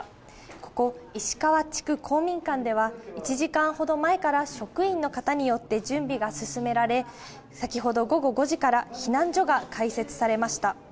ここ石川地区公民館では、１時間ほど前から職員の方によって準備が進められ、先ほど午後５時から、避難所が開設されました。